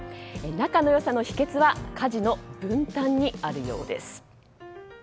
仲の良さの秘訣は家事の分担にあるようです。